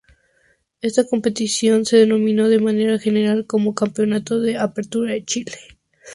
Esta competición se denominó de manera general como Campeonato de Apertura de Chile.